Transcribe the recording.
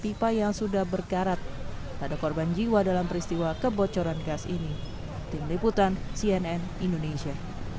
pipa yang sudah berkarat tak ada korban jiwa dalam peristiwa kebocoran gas ini tim liputan cnn indonesia